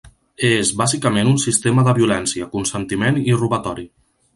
És... bàsicament un sistema de violència, consentiment i robatori.